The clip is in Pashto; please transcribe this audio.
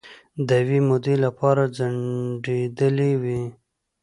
د یوې مودې لپاره ځنډیدېلې وې